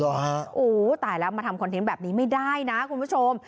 โอ้โหตายแล้วมาทำคอนเทนต์แบบนี้ไม่ได้นะคุณผู้ชม